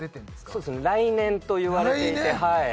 そうですね来年といわれていて来年！